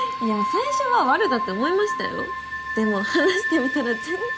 最初はワルだって思いましたよでも話してみたら全然。